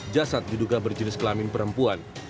jasad diduga berjenis kelamin perempuan